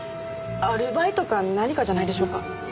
アルバイトか何かじゃないでしょうか？